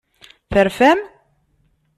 Terfam?